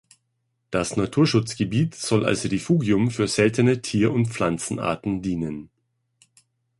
Das Naturschutzgebiet soll als Refugium für seltene Tier- und Pflanzenarten dienen.